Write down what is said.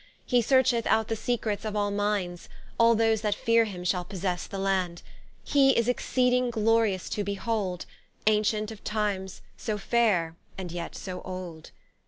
He searcheth out the secrets of all mindes; All those that feare him shall possesse the Land: He is exceeding glorious to behold, Auntient of Times; so faire and yet so old.